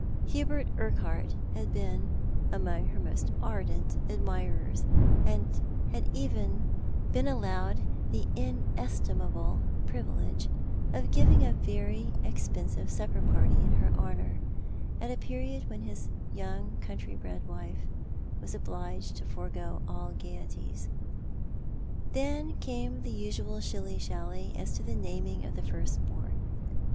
Hubert Urquhart had been among her most ardent admirers, had been even allowed the inestimable privilege of giving a very expensive supper party in her honour, at a period when bis young country bred wife was obliged to forego all gaieties. Then came the usual shilly shally as to the naming of the firstborn.